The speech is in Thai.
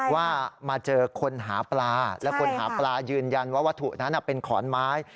ว่ามาเจอคนหาปลาและคนหาปลายืนยันว่าวัตถุนั้นเป็นขอนไม้